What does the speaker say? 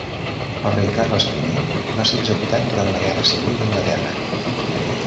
El rei Carles I va ser executat durant la guerra civil d'Anglaterra